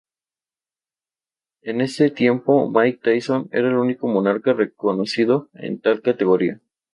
En ese tiempo Mike Tyson era el único monarca reconocido en tal categoría.